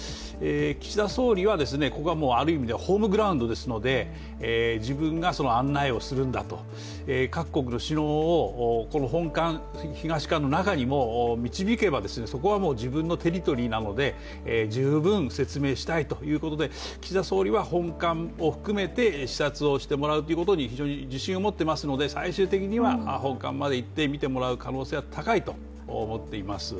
岸田総理は、ここはもうある意味ではホームグラウンドですので、自分が案内をするんだと、各国首脳をこの本館、東館の中に導けばそこはもう自分のテリトリーなので十分説明したいということで岸田総理は本館を含めて視察をしてもらうということに非常に自信を持っていますので、最終的には本館まで行って見てもらう可能性が高いとみています。